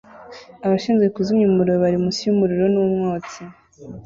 Abashinzwe kuzimya umuriro bari munsi yumuriro numwotsi